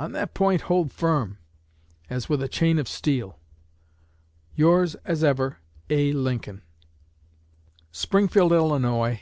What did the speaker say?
On that point hold firm, as with a chain of steel. Yours as ever, A. LINCOLN. SPRINGFIELD, ILL., Dec.